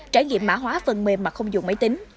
trải nghiệm mã hóa phần mềm mà không dùng máy tính